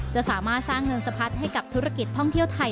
จะสามารถสร้างเงินสะพัดให้กับธุรกิจท่องเที่ยวไทย